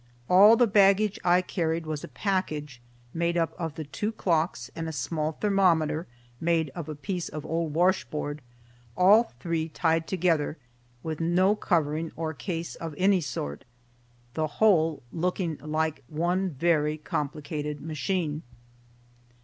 All the baggage I carried was a package made up of the two clocks and a small thermometer made of a piece of old washboard, all three tied together, with no covering or case of any sort, the whole looking like one very complicated machine.